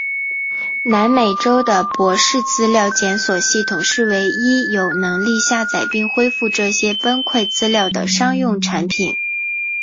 南美州的博士资料检索系统是唯一有能力下载并恢复这些崩溃资料的商用产品。